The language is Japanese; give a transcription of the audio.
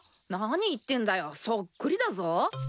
何言ってんだよそっくりだぞ。